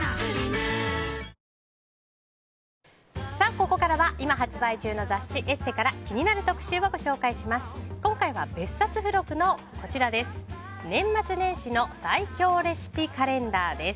ここからは今発売中の雑誌「ＥＳＳＥ」から気になる特集をご紹介します。